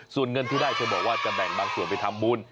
ส่วนเงินที่ได้เธอบอกว่าจะแบ่งบางส่วนไปทำบุญ